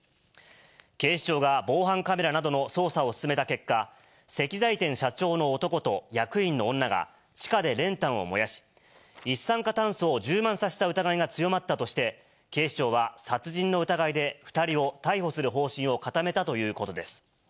警視庁が防犯カメラなどの捜査を進めた結果、石材店社長の男と役員の女が、地下で練炭を燃やし、一酸化炭素を充満させた疑いが強まったとして、警視庁は殺人の疑いで２人を逮捕する方針を固めたということです。